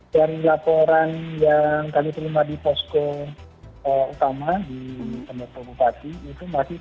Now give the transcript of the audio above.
dari laporan yang kami terima di posko utama di pembangsa bupati